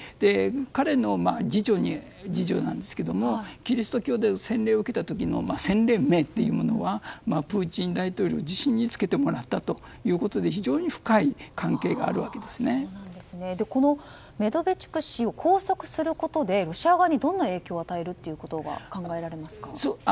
彼の次女なんですけどもキリスト教で洗礼を受けた時の洗礼名というのはプーチン大統領自身につけてもらったということでこのメドベチュク氏を拘束することでロシア側にどんな影響を与えることが考えられますか？